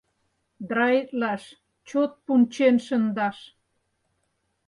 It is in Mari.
Драитлаш — чот пунчен шындаш.